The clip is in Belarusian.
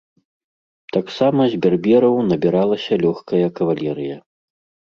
Таксама з бербераў набіралася лёгкая кавалерыя.